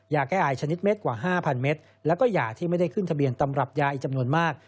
ยาแก้อายชนิดเม็ดกว่า๕๐๐เมตรแล้วก็ยาที่ไม่ได้ขึ้นทะเบียนตำรับยาอีกจำนวนมาก